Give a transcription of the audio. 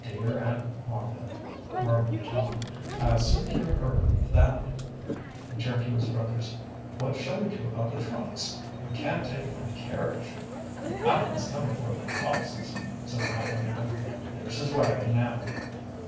"Dear Aunt Martha!" murmured Tom. "I'll soon cure her of that." He turned to his brothers. "What shall we do about the trunks? We can't take 'em in the carriage." "Aleck is comin' for them boxes," said the hired man. "There's his wagon now."